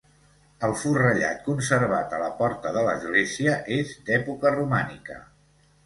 El forrellat conservat a la porta de l'església és d'època romànica.